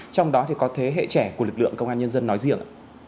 trong đó có thế hệ trẻ của lực lượng công an nhân dân nói riêng